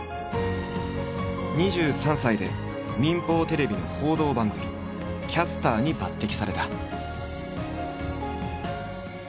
２３歳で民放テレビの報道番組キャスターに抜擢された。